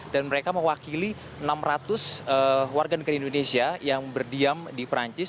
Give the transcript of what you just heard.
dan mereka mewakili enam ratus warga negeri indonesia yang berdiam di perancis